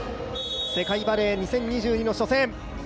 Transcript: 世界バレー２０２２の初戦。